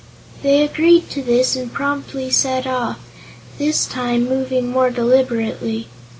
They agreed to this and promptly set off, this time moving more deliberately.